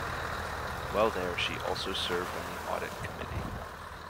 While there, she also served on the audit committee.